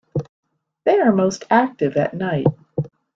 They are most active at night.